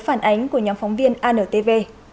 phản ánh của nhóm phóng viên antv